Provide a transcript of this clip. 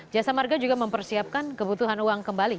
jasa marga juga mempersiapkan kebutuhan uang kembali